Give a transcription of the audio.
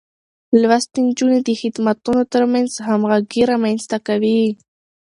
لوستې نجونې د خدمتونو ترمنځ همغږي رامنځته کوي.